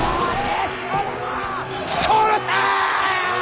殺せ！